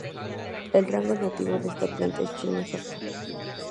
El rango nativo de esta planta es China y Japón.